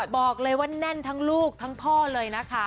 บอกเลยว่าแน่นทั้งลูกทั้งพ่อเลยนะคะ